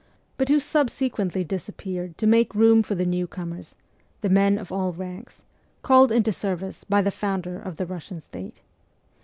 but who subsequently disappeared to make room for the new comers, 'the men of all ranks ' called into service by the founder of the Eussian state.